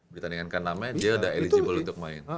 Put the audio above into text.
pertandingan ke enam nya dia udah eligible untuk main